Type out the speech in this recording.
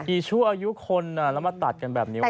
ที่ชั่วอายุคนนะแล้วมาตัดกันแบบนี้ว่า